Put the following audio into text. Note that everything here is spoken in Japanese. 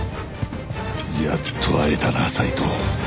やっと会えたな斉藤。